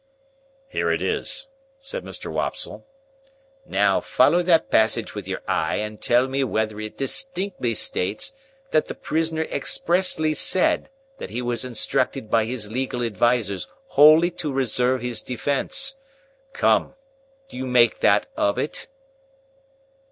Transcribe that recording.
"Here it is," said Mr. Wopsle. "Now, follow that passage with your eye, and tell me whether it distinctly states that the prisoner expressly said that he was instructed by his legal advisers wholly to reserve his defence? Come! Do you make that of it?"